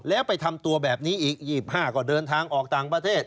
แล้วไปทำตัวแบบนี้อีก๒๕ก็เดินทางออกต่างประเทศ